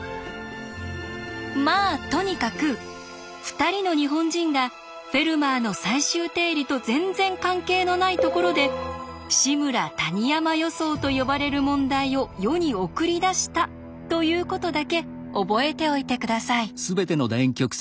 まあとにかく２人の日本人が「フェルマーの最終定理」と全然関係のないところで「志村−谷山予想」と呼ばれる問題を世に送り出したということだけ覚えておいて下さい。